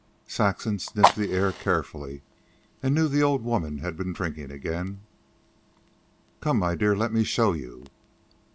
Saxon sniffed the air carefully, and knew the old woman had been drinking again. "Come, my dear, let me show you."